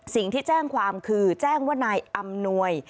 สิ่งที่แจ้งความคือแจ้งว่านายอำนวย